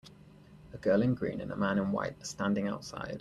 A girl in green and a man in white are standing outside.